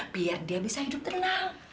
biar dia bisa hidup tenang